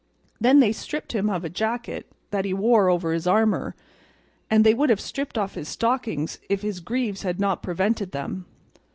They then stripped him of a jacket that he wore over his armour, and they would have stripped off his stockings if his greaves had not prevented them.